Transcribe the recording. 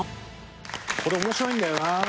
これ面白いんだよな。